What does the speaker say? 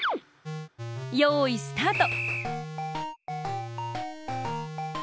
よいスタート！